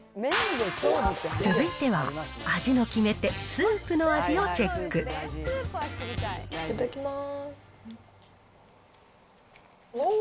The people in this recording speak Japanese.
続いては味の決め手、スープいただきます。